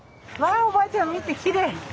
あおばあちゃん見てきれい。